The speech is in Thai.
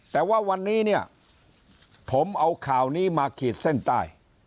แต่ว่าวันนี้เนี่ยผมเอาข่าวนี้มาขีดเส้นใต้